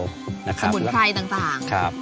สมุนไพรต่าง